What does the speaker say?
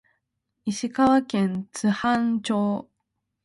石川県津幡町